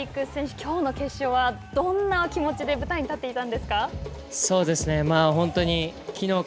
きょうの決勝どんな気持ちで舞台に立っていたんですか？